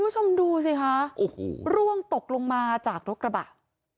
ไม่สร้างหัวขนาดกล้องเห้ยใจออกไปเอง